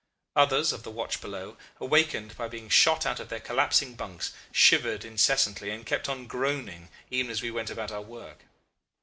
Others, of the watch below, awakened by being shot out from their collapsing bunks, shivered incessantly, and kept on groaning even as we went about our work.